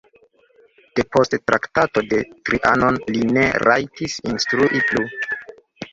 Depost Traktato de Trianon li ne rajtis instrui plu.